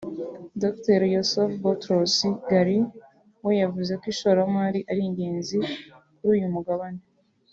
Dr Youssef Boutros Ghali we yavuze ko ishoramari ari ingenzi kuri uyu mugabane